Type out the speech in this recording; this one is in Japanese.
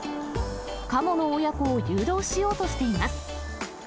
カモの親子を誘導しようとしています。